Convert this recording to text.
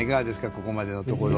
ここまでのところ。